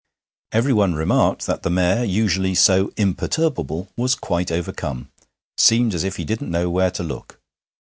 Everyone remarked that the Mayor, usually so imperturbable, was quite overcome seemed as if he didn't know where to look.